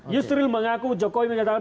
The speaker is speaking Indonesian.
yusril mengaku jokowi menyatakan